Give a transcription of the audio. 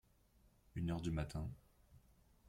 Une heure du matin.